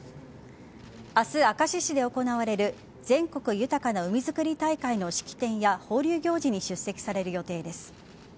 明日、明石市で行われる全国豊かな海づくり大会の式典や放流行事に出席される予定です。